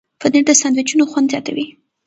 پنېر د ساندویچونو خوند زیاتوي.